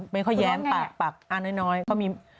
มีข้อแย้มปากอันน้อยเขามี